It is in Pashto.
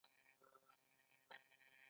کتابونه د هوښیارانو ملګري دي.